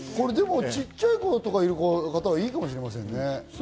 ちっちゃい子いる方はいいかもしれませんね。